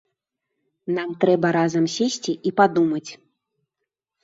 Нам трэба разам сесці і падумаць.